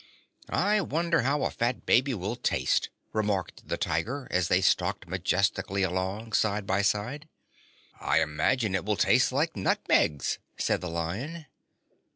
"I wonder how a fat baby will taste," remarked the Tiger, as they stalked majestically along, side by side. "I imagine it will taste like nutmegs," said the Lion.